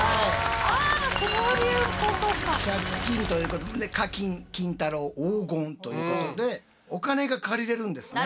「借金」ということで「課金」「金太郎」「黄金」ということでお金が借りれるんですね。